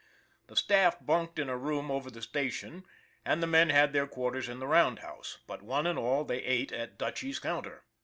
The staff bunked in a room over the station, and the men had their quarters in the roundhouse, but one and all they ate at Dutchy's counter.